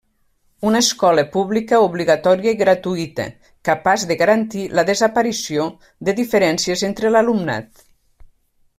Una escola pública obligatòria i gratuïta capaç de garantir la desaparició de diferències entre l'alumnat.